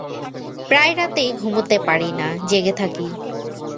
প্রায় রাতেই ঘুমুতে পারি না, জেগে থাকি।